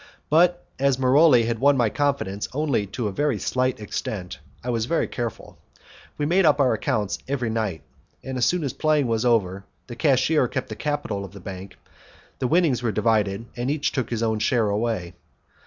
But as Maroli had won my confidence only to a very slight extent, I was very careful. We made up our accounts every night, as soon as playing was over; the cashier kept the capital of the bank, the winnings were divided, and each took his share away.